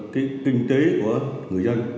kinh tế của người dân